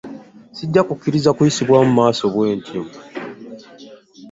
Sijja kukkiriza kuyisibwamu maaso bwentyo.